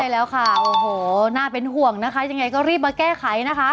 ใช่แล้วค่ะโอ้โหน่าเป็นห่วงนะคะยังไงก็รีบมาแก้ไขนะคะ